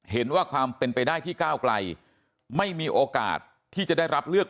เห็นว่าความเป็นไปได้ที่ก้าวไกลไม่มีโอกาสที่จะได้รับเลือก